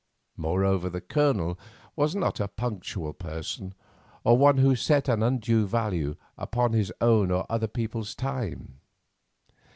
Moreover, the Colonel was not a punctual person, or one who set an undue value upon his own or other people's time.